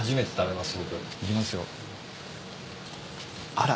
あら。